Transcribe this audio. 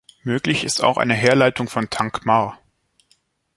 Möglich ist auch eine Herleitung von "Thankmar".